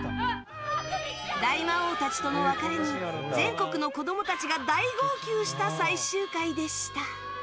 大魔王たちとの別れに全国の子供たちが大号泣した最終回でした。